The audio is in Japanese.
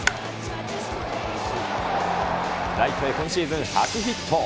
ライトへ今シーズン初ヒット。